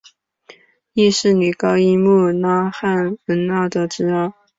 亦是女高音穆拉汶娜的侄儿。